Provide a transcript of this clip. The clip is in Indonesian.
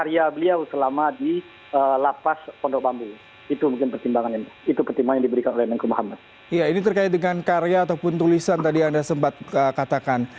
ini terkait dengan karya ataupun tulisan tadi anda sempat katakan